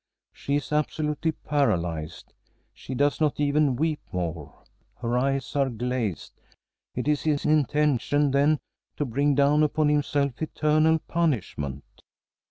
She is absolutely paralyzed. She does not even weep more. Her eyes are glazed. It is his intention, then, to bring down upon himself eternal punishment.